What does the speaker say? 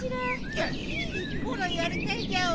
ギャイおらやりたいギャオ。